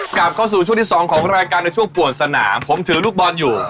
กลับเข้าสู่ช่วงที่สองของรายการในช่วงปวดสนามผมถือลูกบอลอยู่